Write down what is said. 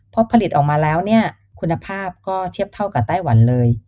พอผลิตออกมาแล้วเนี่ยคุณภาพก็เทียบเท่ากับไต้หวันเลย